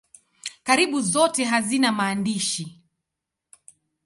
Karibu zote hazina maandishi.